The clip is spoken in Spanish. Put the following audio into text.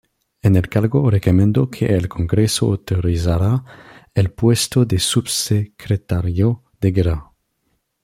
En el cargo, recomendó que el Congreso autorizara el puesto de subsecretario de Guerra.